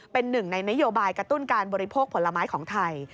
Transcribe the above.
เป็นหนึ่งในนโยบายกระตุ้นการบริโภคผลไม้ของไทย